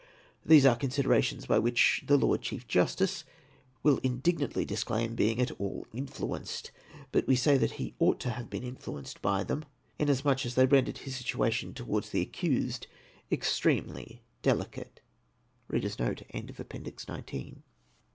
These are considerations by which the Lord Chief Justice will indig nantly disclaim being at all influenced ; but we say that he ought to have been influenced by them, inasmuch as they ren dered his situation towards the accused extremely delicate. APPENDIX XX.